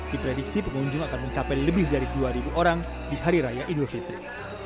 diprediksi pengunjung akan mencapai lebih dari dua orang di hari raya idul fitri